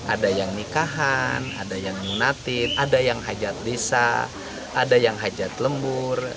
ada yang nikahan ada yang nyunatid ada yang hajat desa ada yang hajat lembur